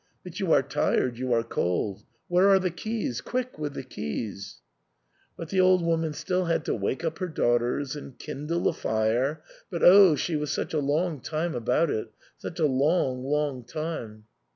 But you are tired, you are cold ; where are the keys ? quick with the keys !" But the old woman still had to wake up her daugh ters and kindle a fire — but oh ! she was such a long time about it — such a long, long time.